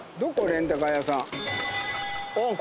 レンタカー屋さん。